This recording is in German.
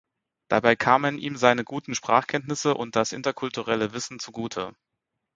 Dabei kamen ihm seine guten Sprachkenntnisse und das interkulturelle Wissen zugute.